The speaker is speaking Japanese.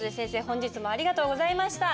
本日もありがとうございました。